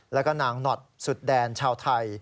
แล้วก็นางหนอดสุดแดนชาวไทย